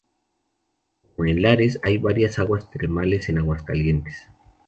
Como en Lares, hay varias aguas termales en Aguas Calientes.